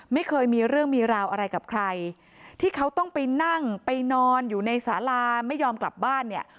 ไม่เคยมีเรื่องมีราวอะไรกับใครที่เขาต้องไปนั่งไปนอนอยู่ในสาราไม่ยอมกลับบ้านเนี่ย